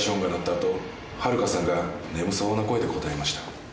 あとハルカさんが眠そうな声で応えました